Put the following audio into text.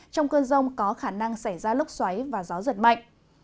trong cơn rông có khả năng xảy ra lốc xoáy và gió giật mạnh